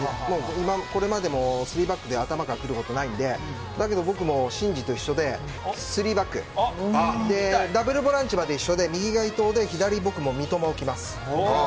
これまでも３バックで頭からくることないんで僕も伸二と一緒で３バックダブルボランチまで一緒で右が伊東で僕も左に三笘を置きます。